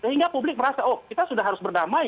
sehingga publik merasa oh kita sudah harus berdamai